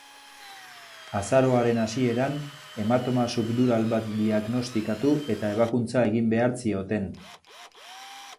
Azaroaren hasieran, hematoma subdural bat diagnostikatu eta ebakuntza egin behar zioten.